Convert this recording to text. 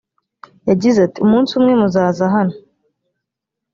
yagize ati umunsi umwe muzaza hano